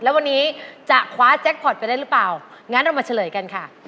แล้ววันนี้จะคว้าแจ็คพอร์ตไปได้หรือเปล่างั้นเรามาเฉลยกันค่ะ